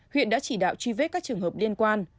huyện đã chỉ đạo truy vết các trường hợp liên quan